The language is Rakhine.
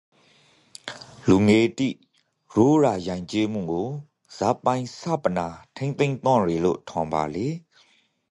လူငယ်တိရိုးရာယဉ်ကျေးမှုကိုဇာပိုင်ဆက်ပနာထိန်းသိမ်းသင့်ယေလို့ ထင်ပါလေ?